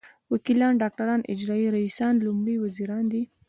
وکیلان ډاکټران اجرايي رییسان لومړي وزیران دي.